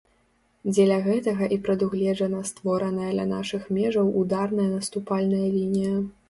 Дзеля гэтага і прадугледжана створаная ля нашых межаў ударная наступальная лінія.